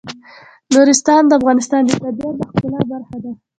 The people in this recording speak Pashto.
نورستان د افغانستان د طبیعت د ښکلا برخه ده.